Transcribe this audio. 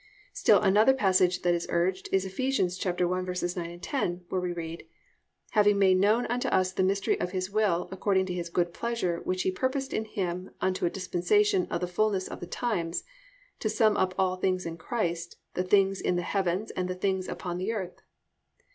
4. Still another passage that is urged is Eph. 1:9, 10, where we read: +"Having made known unto us the mystery of His will according to His good pleasure which He purposed in Him unto a dispensation of the fulness of the times, to sum up all things in Christ, the things in the heavens, and the things upon the earth."